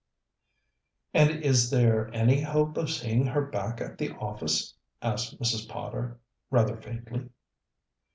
"And is there any hope of seeing her back at the office?" asked Mrs. Potter, rather faintly.